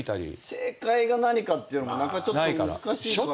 正解が何かっていうのもちょっと難しいから。